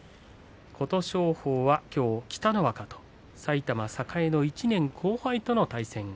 琴勝峰はきょうは北の若埼玉栄の１年後輩との対戦。